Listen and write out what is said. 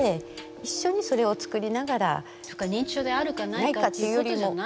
そうか認知症であるかないかっていうことじゃないんだ。